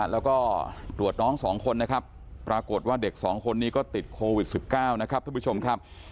แล้วก็ตรวจน้อง๒คนนะครับปรากฏว่าเด็ก๒คนนี้ก็ติดโควิด๑๙นะครับท่านผู้ชมครับ